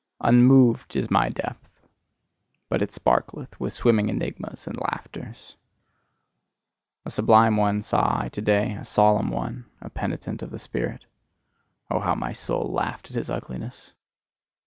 Unmoved is my depth: but it sparkleth with swimming enigmas and laughters. A sublime one saw I to day, a solemn one, a penitent of the spirit: Oh, how my soul laughed at his ugliness!